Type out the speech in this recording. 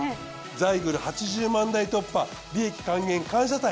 ザイグル８０万台突破利益還元感謝祭。